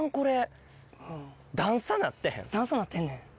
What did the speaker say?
段差なってんねん。